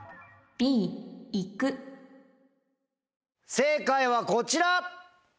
正解はこちら。